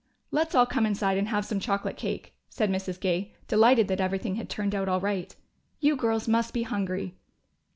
"Let's all come inside and have some chocolate cake," said Mrs. Gay, delighted that everything had turned out all right. "You girls must be hungry."